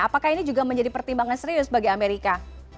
apakah ini juga menjadi pertimbangan serius bagi amerika